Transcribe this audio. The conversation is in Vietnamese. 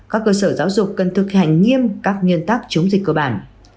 các cơ sở giáo dục cần thực hành nghiêm các nguyên tắc chống dịch cơ bản